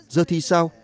giờ thì sao